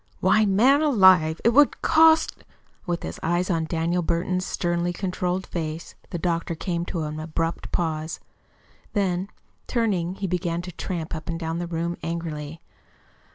"Why, man, alive, it would cost " With his eyes on Daniel Burton's sternly controlled face, the doctor came to an abrupt pause. Then, turning, he began to tramp up and down the room angrily.